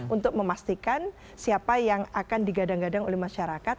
untuk memastikan siapa yang akan digadang gadang oleh masyarakat